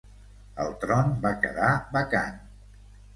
El tron va quedar vacant.